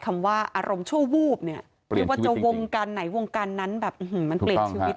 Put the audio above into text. คำว่าอารมณ์โชว์วูบเนี่ยวงการไหนวงการนั้นแบบมันเปลี่ยนชีวิต